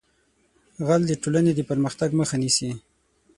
غل د ټولنې د پرمختګ مخه نیسي